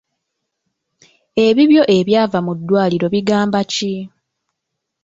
Ebibyo ebyava mu ddwaliro bigamba ki?